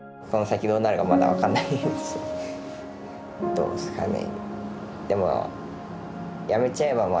どうですかね。